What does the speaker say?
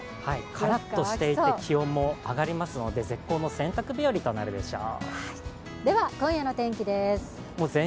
カラッとしていて、気温も上がりますので、絶好の洗濯日和となるでしょう。